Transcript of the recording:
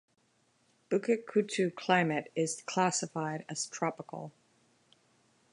Bukit Kutu climate is classified as tropical.